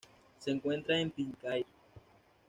Se encuentra en Pitcairn.